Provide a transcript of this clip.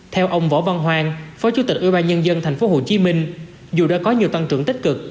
theo ông võ văn hoàng phó chủ tịch ưu ba nhân dân tp hcm dù đã có nhiều tăng trưởng tích cực